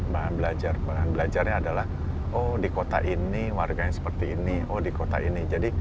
bahan belajar bahan belajarnya adalah oh di kota ini warganya seperti ini oh di kota ini